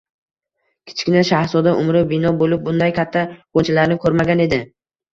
Kichkina shahzoda umri bino bo'lib bunday katta g‘unchalarni ko‘rmagan edi